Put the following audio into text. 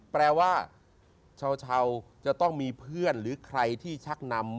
แปลว่าชาวจะต้องมีเพื่อนหรือใครที่ชักนำ